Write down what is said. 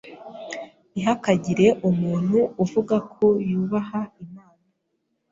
Ntihakagire umuntu uvuga ko yubaha Imana